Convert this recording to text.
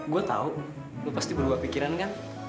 gua tahu lu pasti berubah pikiran kan